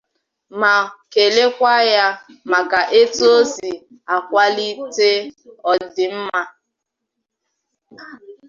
ma kelekwa ya maka etu o si akwàlite ọdịmma